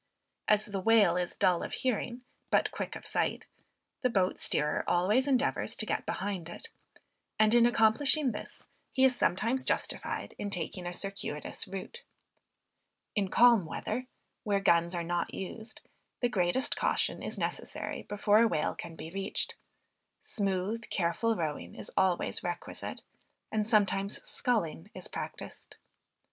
As the whale is dull of hearing, but quick of sight, the boat steerer always endeavors to get behind it; and, in accomplishing this, he is sometimes justified in taking a circuitous rout. In calm weather, where guns are not used, the greatest caution is necessary before a whale can be reached; smooth careful rowing is always requisite, and sometimes sculling is practiced.